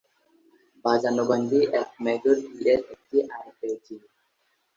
বাজানো গানটি F major কী-এর একটি 'আরপেজিও'।